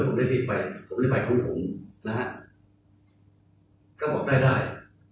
ผมได้รีบไปของผมนะครับก็บอกได้